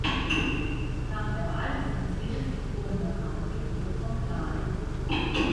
Nach der Wahl distanzierte sich Gouverneur Hardwick jedoch vom Klan.